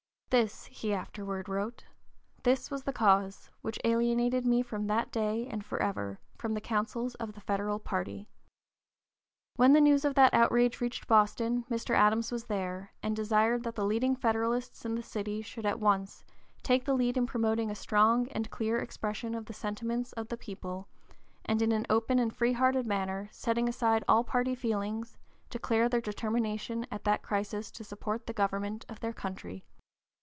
"This," he afterward wrote, "this was the cause ... which alienated me from that day (p. 051) and forever from the councils of the Federal party." When the news of that outrage reached Boston, Mr. Adams was there, and desired that the leading Federalists in the city should at once "take the lead in promoting a strong and clear expression of the sentiments of the people, and in an open and free hearted manner, setting aside all party feelings, declare their determination at that crisis to support the government of their country."